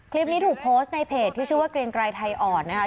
คลิปนี้ถูกโพสต์ในเพจที่ชื่อว่าเกรียงไกรไทยอ่อนนะคะ